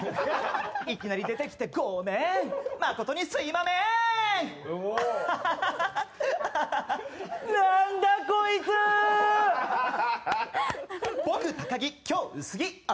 いきなり出てきてごめん誠にすいまめん！